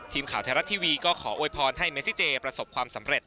ทีมข่าวไทยรัฐทีวีก็ขอโวยพรให้เมซิเจประสบความสำเร็จ